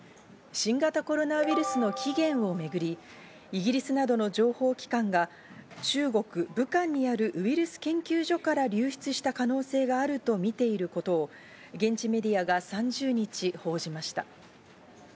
新型コロナウイルスの起源をめぐり、イギリスなどの情報機関が中国・武漢にあるウイルス研究所から流出した可能性があるとみていることを現地メディアが３０日報じました。